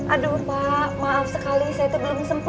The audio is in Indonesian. aduh pak maaf sekali saya tuh belum sempat datang ke kantor